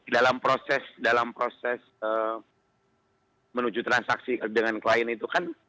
dalam proses dalam proses menuju transaksi dengan klien itu kan